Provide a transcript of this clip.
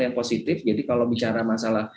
yang positif jadi kalau bicara masalah